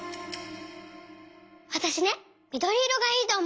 わたしねみどりいろがいいとおもうの。